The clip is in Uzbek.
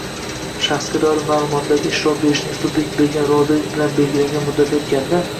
shaxsga doir ma’lumotlarga ishlov berishning subyekt bergan rozilik bilan belgilangan muddati o‘tganda;